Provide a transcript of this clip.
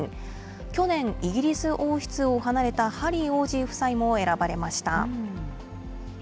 去年、イギリス王室を離れたハリー王子夫妻も選ばれました。